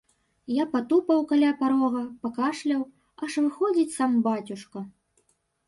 Я патупаў каля парога, пакашляў, аж выходзіць сам бацюшка.